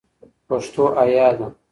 پښتو حیا ده